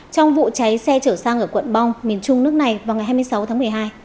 trong vụ cháy xe chở xăng ở quận bong miền trung nước này vào ngày hai mươi sáu tháng một mươi hai